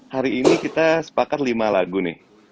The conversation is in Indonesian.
hari ini kita sepakat lima lagu nih